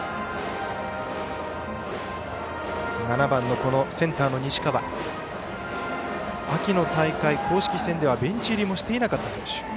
７番センターの西川は秋の大会、公式戦ではベンチ入りもしていなかった選手。